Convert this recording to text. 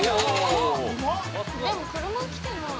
◆でも車、来てない。